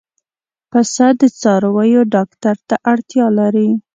پسه د څارویو ډاکټر ته اړتیا لري.